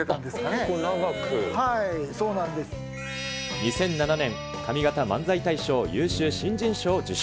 ２００７年、上方漫才大賞優秀新人賞を受賞。